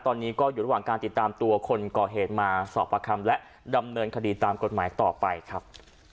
ตอนนี้ก็อยู่ระหว่างการติดตามตัวคนก่อเหตุมาสอบประคำและดำเนินคดีตามกฎหมายต่อไปครับ